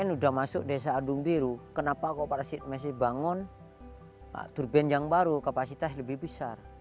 pln sudah masuk desa jaduk biru kenapa kooperasi masih bangun turbin yang baru kapasitas lebih besar